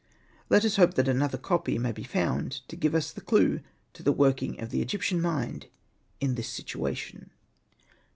Let us hope that another copy may be found to give us the clue to the working of the Egyptian mind in this situation.